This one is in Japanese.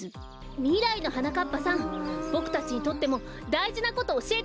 みらいのはなかっぱさんボクたちにとってもだいじなことおしえてください！